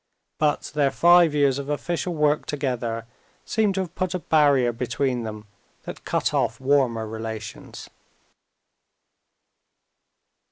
But their five years of official work together seemed to have put a barrier between them that cut off warmer relations.